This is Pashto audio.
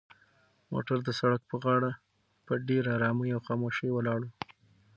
موټر د سړک په غاړه په ډېرې ارامۍ او خاموشۍ ولاړ و.